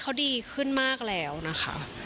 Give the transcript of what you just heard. เพราะว่ามีเพื่อนซีอย่างน้ำชาชีระนัทอยู่เคียงข้างเสมอค่ะ